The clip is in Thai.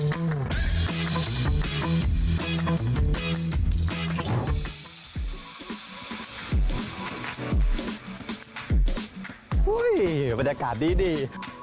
เว้ยมันอากาศดี